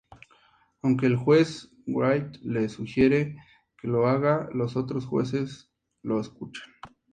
Aunque el juez Wraith le sugiere que lo haga, los otros jueces lo escuchan.